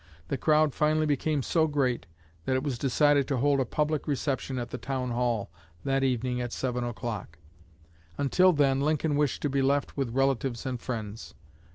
The crowd finally became so great that it was decided to hold a public reception at the Town Hall that evening at seven o'clock; until then Lincoln wished to be left with relatives and friends.